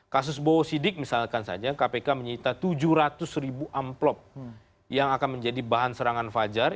kasus bowo sidik misalkan saja kpk menyita tujuh ratus ribu amplop yang akan menjadi bahan serangan fajar